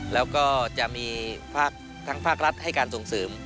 แล้วก็จะมีทั้งภาครัฐให้การส่งเสริม